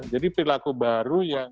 jadi perilaku baru ya